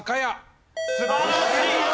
素晴らしい！